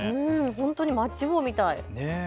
本当にマッチ棒みたい。